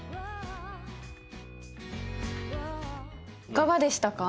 いかがでしたか？